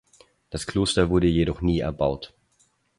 Das Kloster wurde jedoch nie erbaut.